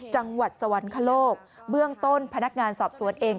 จังหวัดสวรรคโลกเบื้องต้นพนักงานสอบสวนเอง